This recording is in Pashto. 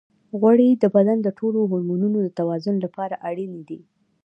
غوړې د بدن د ټولو هورمونونو د توازن لپاره اړینې دي.